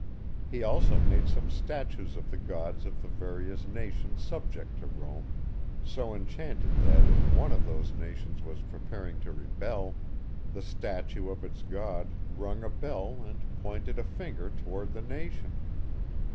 He also made some statues of the gods of the various nations subject to Rome, so enchanted that if one of those nations was preparing to rebel, the statue of its god rung a bell and pointed a finger toward the nation.